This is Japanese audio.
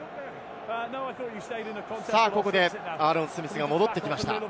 ここでアーロン・スミスが戻ってきました。